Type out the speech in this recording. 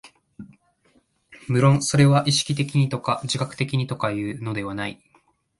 無論それは意識的にとか自覚的にとかいうのではない。